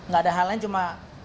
gak ada hal lain cuma